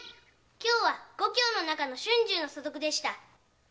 今日は五経の中の春秋の素読でした。